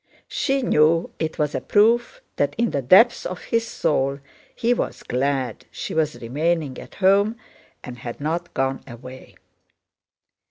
She knew it was a proof that in the depth of his soul he was glad she was remaining at home and had not gone away.